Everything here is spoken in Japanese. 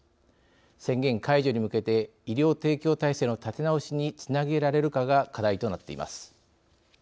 宣言解除に向けて医療提供体制の立て直しにつなげられるかが課題となっています。